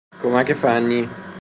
کمک فنی